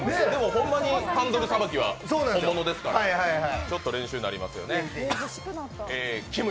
ホンマにハンドルさばきは本物ですからちょっと練習になりますよね。